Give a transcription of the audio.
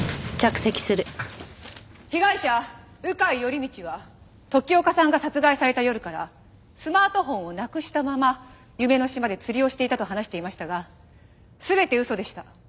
被害者鵜飼頼道は時岡さんが殺害された夜からスマートフォンをなくしたまま夢の島で釣りをしていたと話していましたが全て嘘でした。